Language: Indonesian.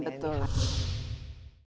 daerah daerah lain betul